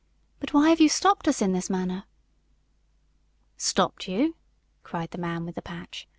"But why have you stopped us in this manner?" "Stopped you?" cried the man with the patch.